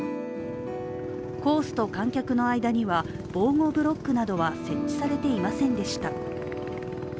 コースと観客の間には、防護ブロックなどは設置されていませんでした。